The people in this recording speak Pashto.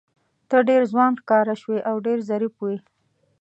ته ډېر ځوان ښکاره شوې او ډېر ظریف وې.